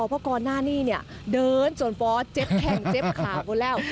อย่างน้านี่เดินจนฟอร์สเจ็บแข่งเจ็บขากวันแล้ว